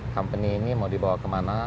company ini mau dibawa kemana